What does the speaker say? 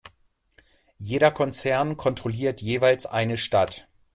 Jeder Konzern kontrolliert jeweils eine Stadt.